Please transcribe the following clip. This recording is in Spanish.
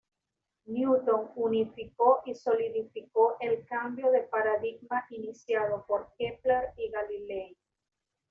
Newton unificó y solidificó el cambio de paradigma iniciado por Kepler y Galilei.